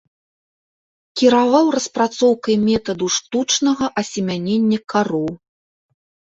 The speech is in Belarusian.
Кіраваў распрацоўкай метаду штучнага асемянення кароў.